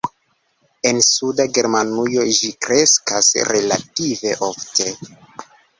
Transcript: En suda Germanujo ĝi kreskas relative ofte.